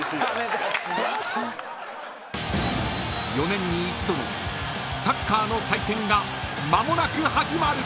［４年に一度のサッカーの祭典が間もなく始まる］